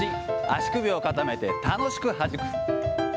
１、２、３、４、足首を固めて楽しくはじく。